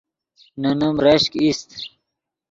نے نیم رشک ایست